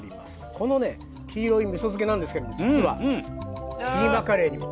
このね黄色いみそ漬けなんですけれども実はキーマカレーにも。